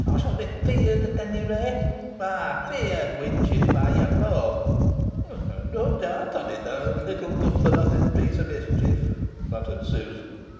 Ey shall be feared at onny rate ay, feared, wenches, by ye both." "Nah doubt on't, theaw little good fo' nothin piece o' mischief," muttered Susan.